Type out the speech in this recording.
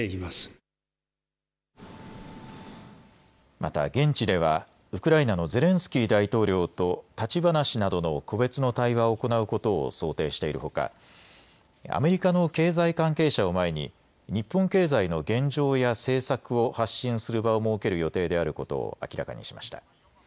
また現地ではウクライナのゼレンスキー大統領と立ち話などの個別の対話を行うことを想定しているほか、アメリカの経済関係者を前に日本経済の現状や政策を発信する場を設ける予定であることを明らかにしました。